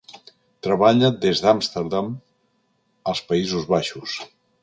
Treballa des d'Àmsterdam, als Països Baixos.